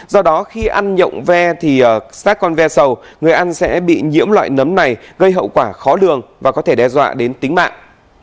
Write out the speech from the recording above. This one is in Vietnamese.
do đó khi ăn nhậu ve thì xác con ve sầu người ăn sẽ bị nhiễm loại nấm này gây hậu quả khó lường và có thể đe dọa đến tính mạng